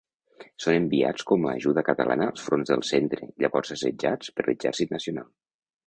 Són enviats com a ajuda catalana als fronts del centre, llavors assetjats per l'Exèrcit Nacional.